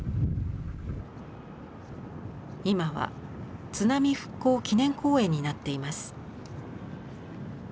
今は津波復興祈念公園になっています。